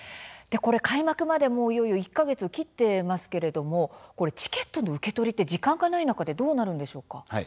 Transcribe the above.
開幕までいよいよ１か月を切っていますけれどもチケット受け取りって時間がない中でどうなるんでしょうか。